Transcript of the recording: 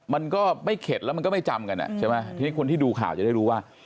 มันก็ไม่เข็ดแล้วมันก็ไม่จำกันอ่ะใช่ไหมทีนี้คนที่ดูข่าวจะได้รู้ว่า